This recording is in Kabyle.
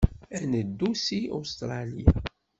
Ad neddu seg Ustṛalya.